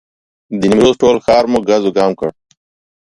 د نیمروز ټول ښار مو ګز وګام کړ.